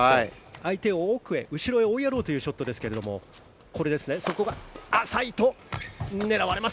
相手を奥へ、後ろへ追いやろうというショットですがそこが浅いと狙われます。